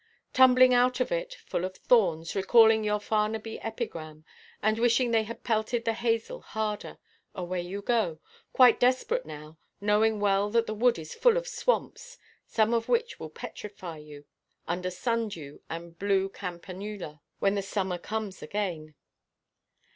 Tumbling out of it, full of thorns, recalling your Farnaby epigram, and wishing they had pelted the hazel harder, away you go, quite desperate now, knowing well that the wood is full of swamps, some of which will petrify you, under sun–dew and blue campanula, when the summer comes again.